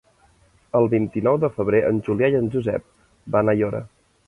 El vint-i-nou de febrer en Julià i en Josep van a Aiora.